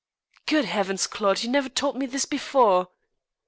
"Good heavens, Claude, you never told me this before."